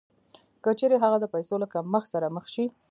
که چېرې هغه د پیسو له کمښت سره مخ شي